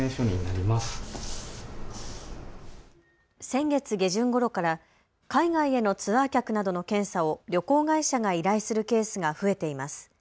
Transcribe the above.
先月下旬ごろから海外へのツアー客などの検査を旅行会社が依頼するケースが増えています。